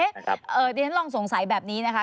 ดิฉันลองสงสัยแบบนี้นะคะ